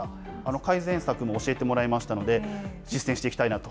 改善策も教えてもらいましたので、実践していきたいなと。